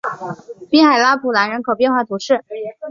滨海拉普兰人口变化图示